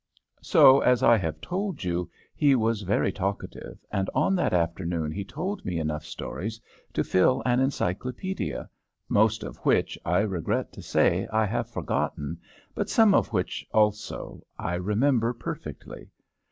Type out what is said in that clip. So, as I have told you, he was very talkative, and on that afternoon he told me enough stories to fill an encyclopædia, most of which, I regret to say, I have forgotten, but some of which, also, I remember perfectly.